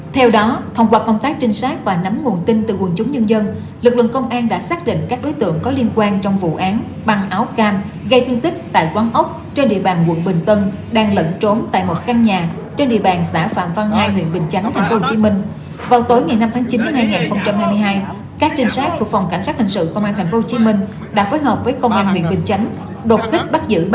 theo đó thông qua công tác trinh sát và nắm nguồn tin từ quần chúng nhân dân lực lượng công an đã xác định các đối tượng có liên quan trong vụ án băng áo cam gây thiên tích tại quán ốc trên địa bàn quận bình tân đang lẩn trốn tại một căn nhà trên địa bàn xã phạm văn hai huyện bình chánh tp hcm